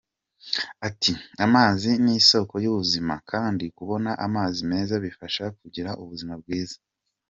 Ati ”Amazi ni isoko y’ubuzima, kandi kubona amazi meza bifasha kugira ubuzima bwiza”.